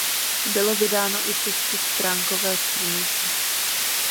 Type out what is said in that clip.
Bylo vydáno i šestistránkové shrnutí.